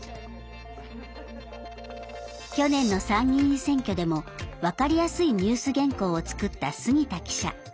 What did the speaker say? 去年の参議院選挙でも分かりやすいニュース原稿を作った杉田記者。